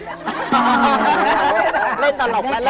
อ๋อเล่นตลกแล้ว